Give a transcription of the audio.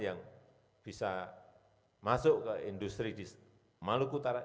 yang bisa masuk ke industri di maluku utara